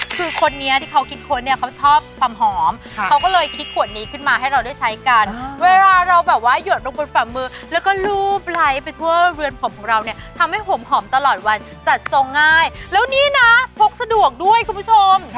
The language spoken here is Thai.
คือคนนี้ที่เขาคิดค้นเนี่ยเขาชอบความหอมเขาก็เลยคิดขวดนี้ขึ้นมาให้เราได้ใช้กันเวลาเราแบบว่าหยดลงบนฝ่ามือแล้วก็รูปไลค์ไปทั่วเรือนผมของเราเนี่ยทำให้หอมหอมตลอดวันจัดทรงง่ายแล้วนี่นะพกสะดวกด้วยคุณผู้ชม